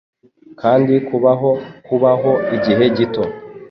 kandi kubaho kubaho igihe gito